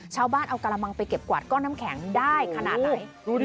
ชาวบ้านเอากระมังไปเก็บกวาดก้อนน้ำแข็งได้ขนาดไหน